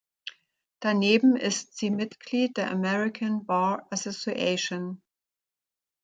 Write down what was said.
Daneben ist sie Mitglied der American Bar Association.